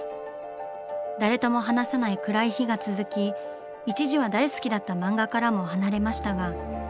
誰とも話さない暗い日が続き一時は大好きだった漫画からも離れましたが。